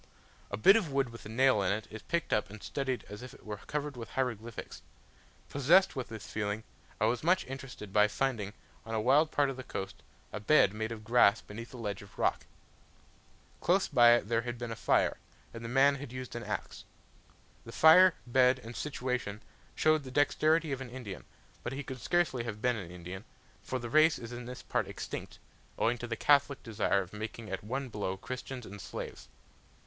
A bit of wood with a nail in it, is picked up and studied as if it were covered with hieroglyphics. Possessed with this feeling, I was much interested by finding, on a wild part of the coast, a bed made of grass beneath a ledge of rock. Close by it there had been a fire, and the man had used an axe. The fire, bed, and situation showed the dexterity of an Indian; but he could scarcely have been an Indian, for the race is in this part extinct, owing to the Catholic desire of making at one blow Christians and Slaves.